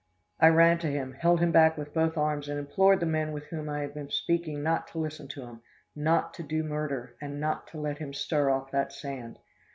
"I ran to him, held him back with both arms and implored the men with whom I had been speaking not to listen to him, not to do murder, not to let him stir from off that sand!